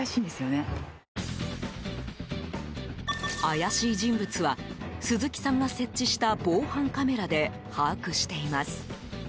怪しい人物は鈴木さんが設置した防犯カメラで把握しています。